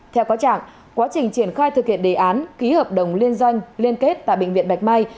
theo có trạng quá trình triển khai thực hiện đề án ký hợp đồng liên doanh liên kết tại bệnh viện bạch mai